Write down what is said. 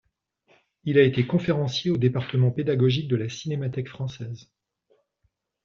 Il a été conférencier au département pédagogique de la Cinémathèque française.